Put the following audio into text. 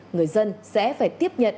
người dân sẽ phải tiếp nhận